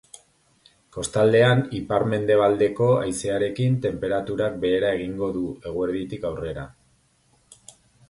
Kostaldean, ipar-mendebaldeko haizearekin, tenperaturak behera egingo du eguerditik aurrera.